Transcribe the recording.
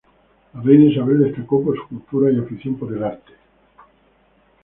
La reina Isabel destacó por su cultura y afición por el arte.